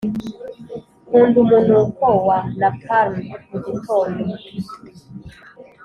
nkunda umunuko wa napalm mugitondo.